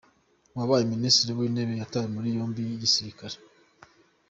uwabaye Minisitiri w’Intebe yatawe muri yombi n’igisirikare